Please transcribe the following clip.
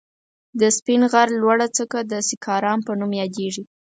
د سپين غر لوړه څکه د سيکارام په نوم ياديږي.